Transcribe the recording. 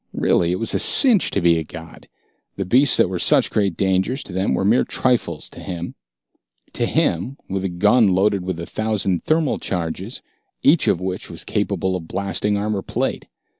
Really, it was a cinch to be a god. The beasts that were such great dangers to them were mere trifles to him. To him, with a gun loaded with a thousand thermal charges each of which was capable of blasting armor plate.